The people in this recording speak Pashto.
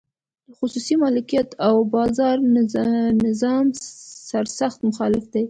د خصوصي مالکیت او بازار نظام سرسخت مخالف دی.